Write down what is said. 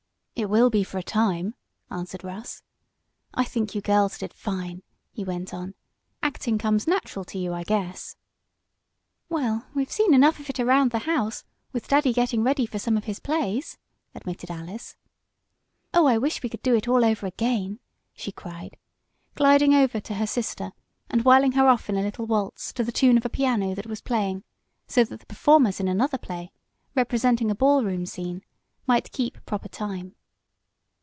"It will be for a time," answered Russ. "I think you girls did fine!" he went on. "Acting comes natural to you, I guess." "Well, we've seen enough of it around the house, with daddy getting ready for some of his plays," admitted Alice. "Oh, I wish I could do it all over again!" she cried, gliding over to her sister and whirling her off in a little waltz to the tune of a piano that was playing so that the performers in another play, representing a ball room scene, might keep proper time.